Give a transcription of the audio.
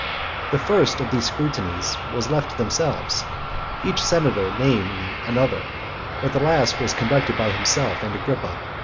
The first of these scrutinies was left to themselves, each senator naming another; but the last was conducted by himself and Agrippa.